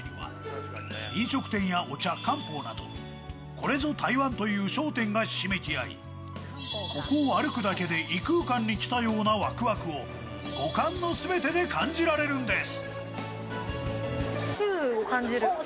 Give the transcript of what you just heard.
これぞ台湾という商店がひしめき合い、ここを歩くだけで異空間に来たようなワクワクを五感の全てで感じられるんです。